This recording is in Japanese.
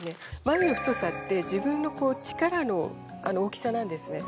眉の太さって自分の力の大きさなんですね